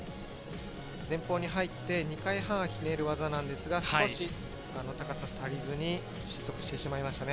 前方に入って２回半ひねる技なんですが、少し高さが足りずに失速してしまいましたね。